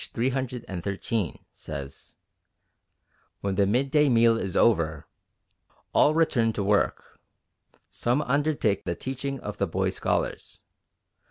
313) says, "When the midday meal is over, all return to work. Some undertake the teaching of the boy scholars.